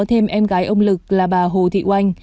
thêm em gái ông lực là bà hồ thị oanh